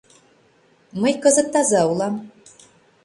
«Мый кызыт таза улам.